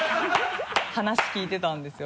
話聞いてたんですよ。